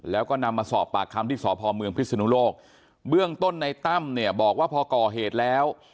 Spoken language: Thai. แล้วก็นำมาสอบปากคำที่สพเมืองพิศนุโลกเบื้องต้นในตั้มเนี่ยบอกว่าพอก่อเหตุแล้ว